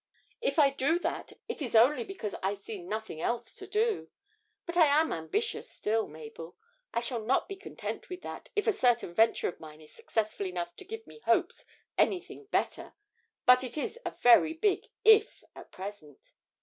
'If I do that, it is only because I see nothing else to do. But I am ambitious still, Mabel. I shall not be content with that, if a certain venture of mine is successful enough to give me hopes of anything better. But it's a very big "if" at present.'